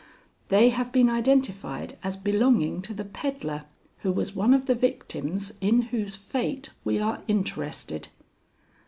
"They have been identified as belonging to the peddler who was one of the victims in whose fate we are interested."